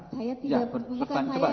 saya tidak berpikir saya menolak pasien